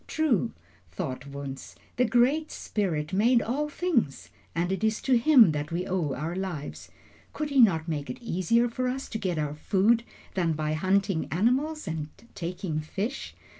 "True," thought Wunzh, "the Great Spirit made all things, and it is to him that we owe our lives. Could he not make it easier for us to get our food than by hunting animals and taking fish?